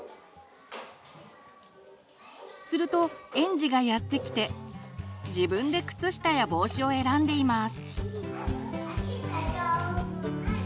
すると園児がやって来て自分で靴下や帽子を選んでいます。